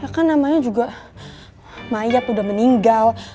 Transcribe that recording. kan namanya juga mayat udah meninggal